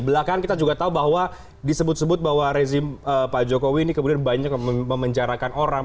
belakangan kita juga tahu bahwa disebut sebut bahwa rezim pak jokowi ini kemudian banyak memenjarakan orang